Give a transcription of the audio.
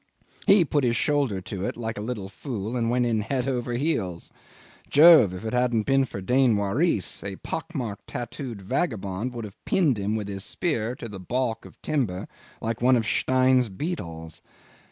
He put his shoulder to it like a little fool and went in head over heels. Jove! If it hadn't been for Dain Waris, a pock marked tattooed vagabond would have pinned him with his spear to a baulk of timber like one of Stein's beetles.